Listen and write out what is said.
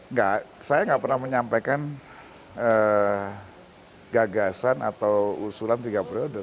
enggak saya nggak pernah menyampaikan gagasan atau usulan tiga periode